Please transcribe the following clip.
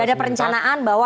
sudah ada perencanaan bahwa